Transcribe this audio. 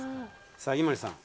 さあ井森さん。